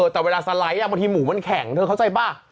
แต่เวลาสไลด์บางทีหมูมันแข็งเธอเข้าใจป่ะ